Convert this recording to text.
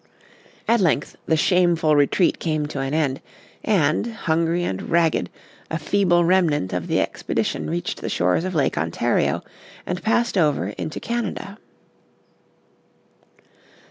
At length the shameful retreat came to an end, and, hungry and ragged, a feeble remnant of the expedition reached the shores of Lake Ontario, and passed over into Canada.